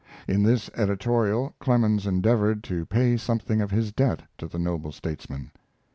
In this editorial Clemens endeavored to pay something of his debt to the noble statesman.